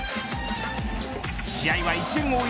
試合は１点を追う